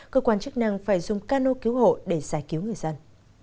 cơ quan chức năng phải dùng cano cứu hộ để giải cứu người dân